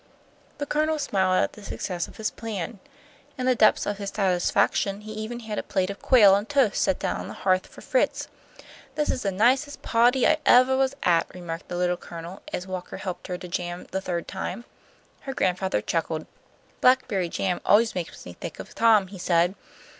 The Colonel smiled at the success of his plan. In the depths of his satisfaction he even had a plate of quail and toast set down on the hearth for Fritz. "This is the nicest pahty I evah was at," remarked the Little Colonel, as Walker helped her to jam the third time. Her grandfather chuckled. "Blackberry jam always makes me think of Tom," he said.